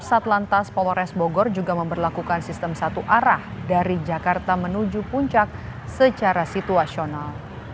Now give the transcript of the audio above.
satlantas polres bogor juga memperlakukan sistem satu arah dari jakarta menuju puncak secara situasional